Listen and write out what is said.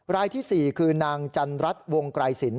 รายที่๔คือนางจันรัฐวงไกรสิน